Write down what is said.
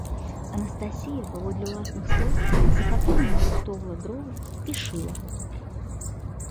Анастасія, паводле ўласных слоў, з захапленнем нарыхтоўвала дровы і шыла.